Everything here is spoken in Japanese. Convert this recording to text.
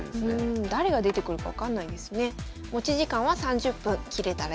誰が出てくるか分かんないですね。